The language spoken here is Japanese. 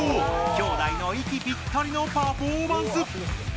兄弟の息ぴったりのパフォーマンス！